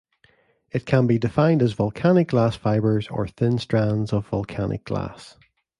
It can be defined as volcanic glass fibers or thin strands of volcanic glass.